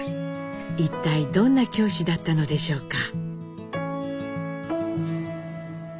一体どんな教師だったのでしょうか。